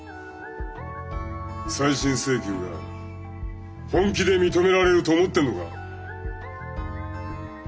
再審請求が本気で認められると思ってんのか？